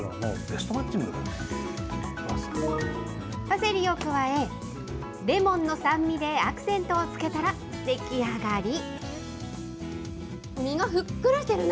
パセリを加え、レモンの酸味でアクセントをつけたら、出来上がり。